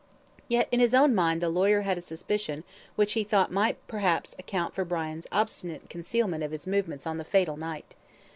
Yet in his own mind the lawyer had a suspicion which he thought might perhaps account for Brian's obstinate concealment of his movements on the fatal night.